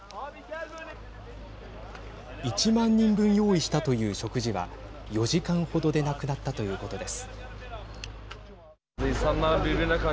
１万人分用意したという食事は４時間程でなくなったということです。